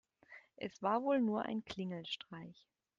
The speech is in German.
Es war wohl nur ein Klingelstreich.